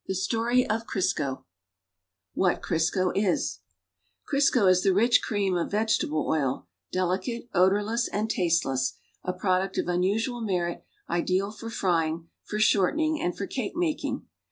Iii)im0lilri3( WHAT CRISCO IS Crlsco is the rich cream of vegetable oil, delicate, odorless and tasteless, a product of unusual merit, ideal for frying, for shorten ing, and for cake making.